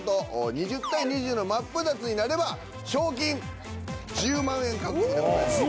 見事２０：２０のマップタツになれば賞金１０万円獲得でございます。